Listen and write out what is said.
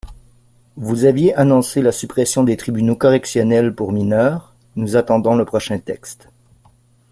Vous aviez annoncé la suppression des tribunaux correctionnels pour mineurs, nous attendons le prochain texte.